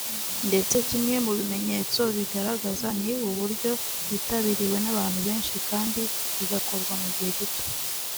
ndetse kimwe mu bimenyetso bibigaragaza ni uburyo yitabiriwe n’abantu benshi kandi igakorwa mu gihe gito